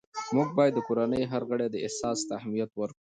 موږ باید د کورنۍ هر غړي احساس ته اهمیت ورکړو